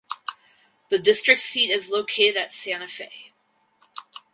The district seat is located at Santa Fe.